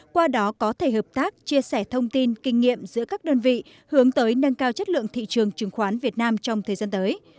qua đó có thể hợp tác chia sẻ thông tin kinh nghiệm giữa các đơn vị hướng tới nâng cao chất lượng thị trường chứng khoán việt nam trong thời gian tới